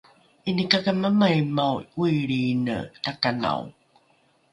’inikakamamaimao ’oilriine takanao